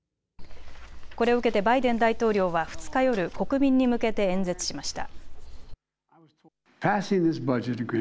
これを受けてバイデン大統領は２日夜、国民に向けて演説しました。